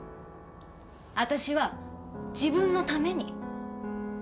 私は自分のために。